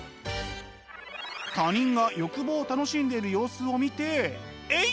他人が欲望を楽しんでいる様子を見てえい！